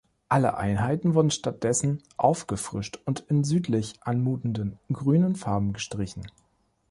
Alle Einheiten wurden stattdessen „aufgefrischt“ und in südlich-anmutenden, grünen Farben gestrichen.